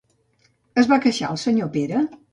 Es va queixar el senyor Pere?